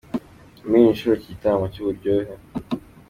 Kuri iyi nshuro iki gitaramo cy’uburyohe.